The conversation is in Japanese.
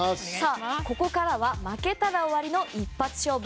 ここからは負けたら終わりの一発勝負。